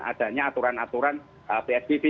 adanya aturan aturan psbb